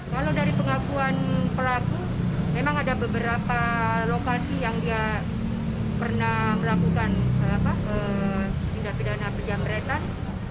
kalau dari pengakuan pelaku memang ada beberapa lokasi yang dia pernah melakukan tindak pidana penjamretan